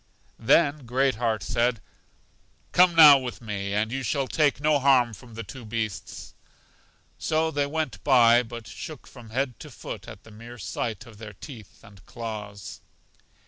Then Great heart said, Come now with me, and you shall take no harm from the two beasts. So they went by, but shook from head to foot at the mere sight of their teeth and claws.